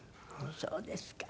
そうですか。